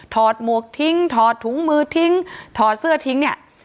หมวกทิ้งถอดถุงมือทิ้งถอดเสื้อทิ้งเนี่ย